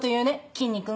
きんに君。